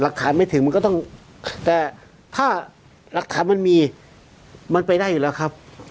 ฐานไม่ถึงมันก็ต้องแต่ถ้าหลักฐานมันมีมันไปได้อยู่แล้วครับ